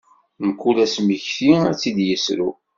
Mkul asemekti ad tt-id yesru.